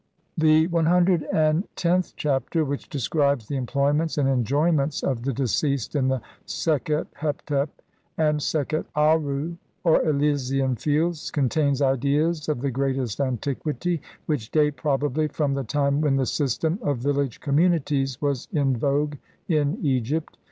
The CXth Chapter, which describes the employments and enjoyments of the deceased in the Sekhet hetep and Sekhet Aaru, or Elysian Fields, contains ideas of the greatest antiquity, which date, probably, from the time when the system of village communities was in vogue in Egypt.